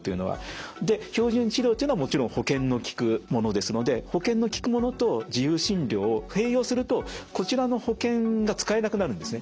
標準治療というのはもちろん保険のきくものですので保険のきくものと自由診療を併用するとこちらの保険が使えなくなるんですね。